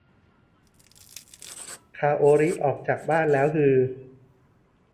คาโอริออกจากบ้านแล้วฮือ